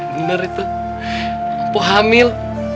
bener itu mpok hamil